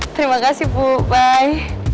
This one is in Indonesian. terima kasih bu bye